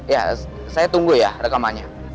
ya saya tunggu ya rekamannya